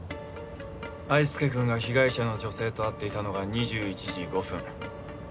愛介くんが被害者の女性と会っていたのが２１時５分。